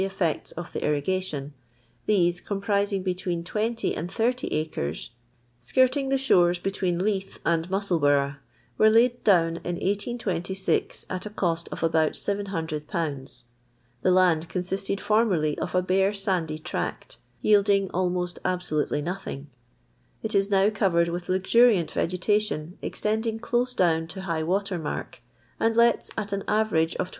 411 efiects of the itrigation ; tbete, compnting between 20 and 80 acres skirting the shorn between Leith and Musselboigfa, were laid down in 1826 at a cost of about 7002.; the land consisted formerly of a bare sandy trsct, yielding almost absolutely nothing; it is now covered with Inzu riant yegetation extending dose down to high water mark, and lets at an arerage of 20